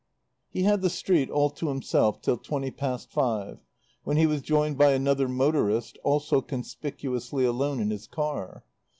He had the street all to himself till twenty past five, when he was joined by another motorist, also conspicuously alone in his car.